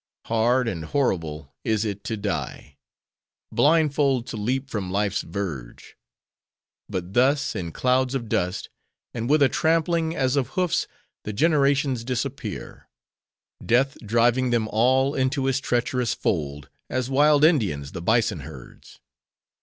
Hard and horrible is it to die: blindfold to leap from life's verge! But thus, in clouds of dust, and with a trampling as of hoofs, the generations disappear; death driving them all into his treacherous fold, as wild Indians the bison herds.